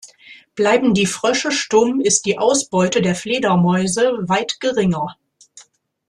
Bleiben die Frösche stumm, ist die Ausbeute der Fledermäuse weit geringer.